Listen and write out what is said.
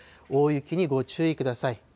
大雪にご注意ください。